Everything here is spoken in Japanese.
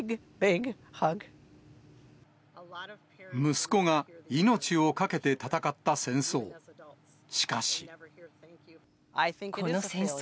息子が命をかけて戦った戦争。